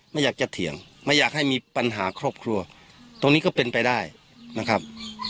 ไม่อยากจะเถียงไม่อยากให้มีปัญหาครอบครัวตรงนี้ก็เป็นไปได้นะครับ